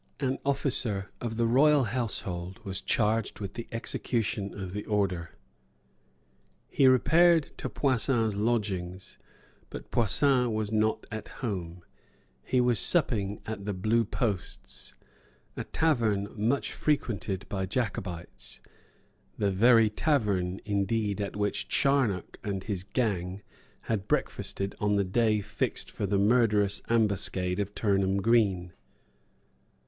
An officer of the royal household was charged with the execution of the order. He repaired to Poussin's lodgings; but Poussin was not at home; he was supping at the Blue Posts, a tavern much frequented by Jacobites, the very tavern indeed at which Charnock and his gang had breakfasted on the day fixed for the murderous ambuscade of Turnham Green.